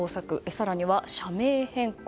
更には、社名変更。